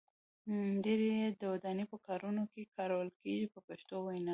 ډیری یې د ودانۍ په کارونو کې کارول کېږي په پښتو وینا.